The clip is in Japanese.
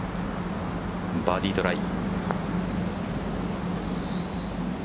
バーディートライ。